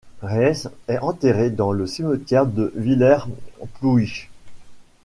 Rees est enterré dans le cimetière de Villers-Plouich.